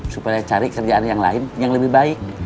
supaya cari kerjaan yang lain yang lebih baik